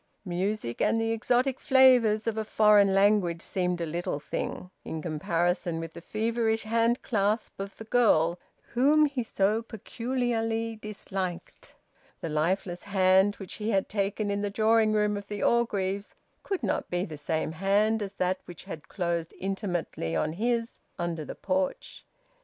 Music and the exotic flavours of a foreign language seemed a little thing, in comparison with the feverish hand clasp of the girl whom he so peculiarly disliked. The lifeless hand which he had taken in the drawing room of the Orgreaves could not be the same hand as that which had closed intimately on his under the porch.